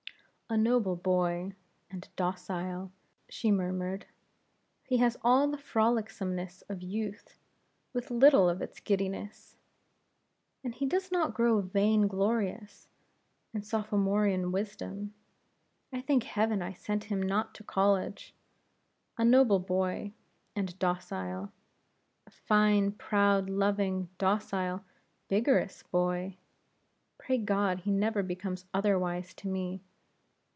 "A noble boy, and docile" she murmured "he has all the frolicsomeness of youth, with little of its giddiness. And he does not grow vain glorious in sophomorean wisdom. I thank heaven I sent him not to college. A noble boy, and docile. A fine, proud, loving, docile, vigorous boy. Pray God, he never becomes otherwise to me.